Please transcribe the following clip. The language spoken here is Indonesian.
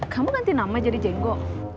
kamu ganti nama jadi jenggo